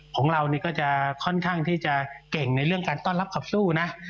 ของเรานี่ก็จะค่อนข้างที่จะเก่งในเรื่องการต้อนรับขับสู้นะ